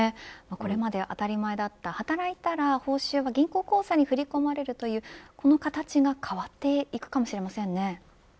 これまで当たり前だった働いたら報酬は銀行口座に振り込まれるこうした形が変わっていくかもしれませんね。